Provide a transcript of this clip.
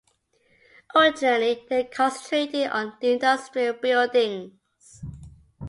Originally they concentrated on industrial buildings.